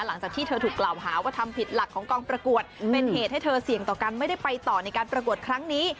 หลังจากที่เธอถูกกล่าวหาว่าทำผิดหลักของกองประกวดเป็นเหตุให้เธอเสี่ยงต่อการไม่ได้ไปต่อในการประกวดครั้งนี้